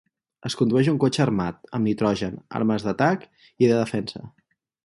Es condueix un cotxe armat, amb nitrogen, armes d'atac i de defensa.